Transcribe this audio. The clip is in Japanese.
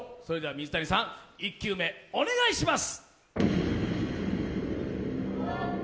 水谷さん、１球目お願いします。